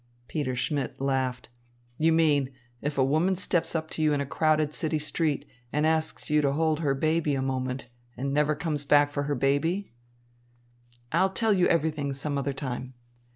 Peter Schmidt laughed. "You mean, if a woman steps up to you in a crowded city street and asks you to hold her baby a moment, and never comes back for her baby?" "I'll tell you everything some other time."